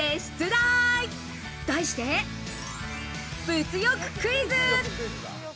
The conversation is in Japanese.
題して、物欲クイズ！